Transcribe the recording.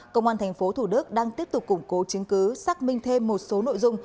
công an tp thủ đức đang tiếp tục củng cố chứng cứ xác minh thêm một số nội dung